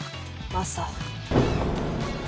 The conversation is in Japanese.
マサ。